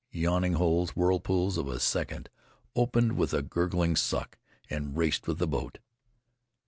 Yawning holes, whirlpools of a second, opened with a gurgling suck and raced with the boat.